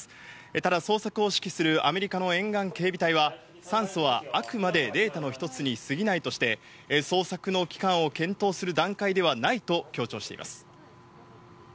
ただ捜索を指揮するアメリカの沿岸警備隊は、酸素はあくまでデータの１つに過ぎないとして捜索の期間を検討する段階ではないと強調しています。